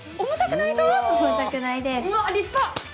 重たくないです。